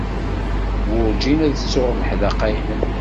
Werjin ad ttuɣ leḥdaqa-nnem.